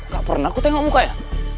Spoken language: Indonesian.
gak pernah gue tengok mukanya